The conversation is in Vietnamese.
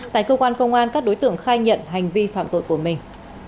tại cơ quan công an các đối tượng khai nhận hành vi phạm tội của mình